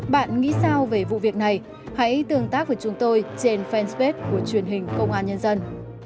bạn nghĩ sao về vụ việc này hãy tương tác với chúng tôi trên fanpage của truyền hình công an nhân dân